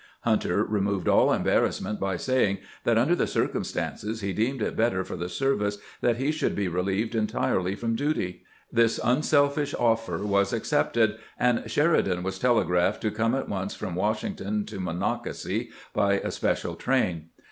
Hunter re moved aU embarrassment by saying that, under the cir cumstances, he deemed it better for the service that he should be relieved entirely from duty. This unselfish offer was accepted, and Sheridan was telegraphed to come at once from Washington to Monocacy by a special train.